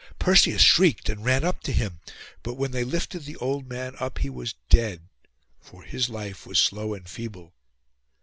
Perseus shrieked, and ran up to him; but when they lifted the old man up he was dead, for his life was slow and feeble.